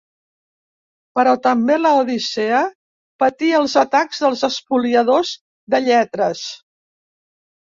Però també la Odissea patí els atacs dels espoliadors de lletres.